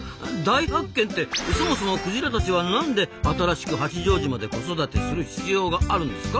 大発見ってそもそもクジラたちはなんで新しく八丈島で子育てする必要があるんですか？